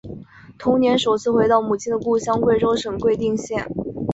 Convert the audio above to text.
同年首次回到母亲的故乡贵州省贵定县。